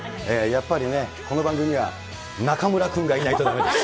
やっぱりね、この番組はなかむら君がいないとだめです。